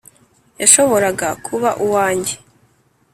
yashoboraga kuba uwanjye